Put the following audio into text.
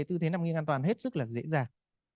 tư thế nằm nghiêng an toàn hết sức là dễ dàng